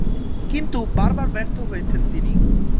কিন্তু বারবার ব্যর্থ হয়েছেন তিনি।